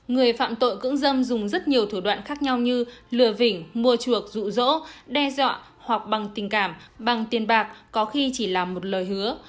người phạm tội cưỡng dâm dùng rất nhiều thủ đoạn khác nhau như lừa phỉnh mua chuộc rụ rỗ đe dọa hoặc bằng tình cảm bằng tiền bạc có khi chỉ là một lời hứa